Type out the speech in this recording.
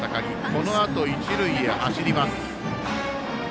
このあと一塁へ走ります。